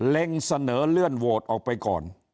เล็งเสนอเลื่อนโวทย์ออกไปก่อน